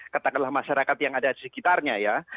katakanlah masyarakat yang ada di sekitarnya ya